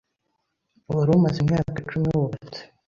warumaze imyaka icumi wubatse